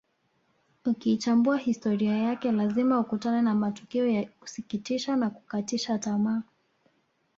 Ukiichambua historia yake lazima ukutane na matukio ya kusikitisha na kukatisha tamaa